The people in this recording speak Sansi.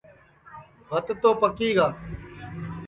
بھت تو پکی گا ہے